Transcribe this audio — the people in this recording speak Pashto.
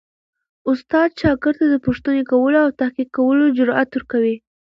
استاد شاګرد ته د پوښتنې کولو او تحقیق کولو جرئت ورکوي.